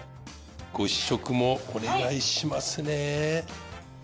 ご試食もお願いしますね。